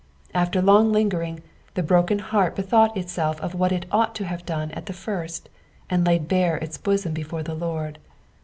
After long lingering, the broken heart bethought itself of what it ought to have done at the flrst, and laid bare its bnsom before the Lord.